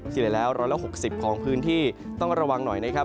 เฉลี่ยแล้ว๑๖๐ของพื้นที่ต้องระวังหน่อยนะครับ